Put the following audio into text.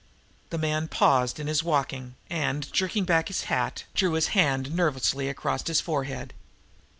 The man paused in his walk, and, jerking back his hat, drew his hand nervously across his forehead.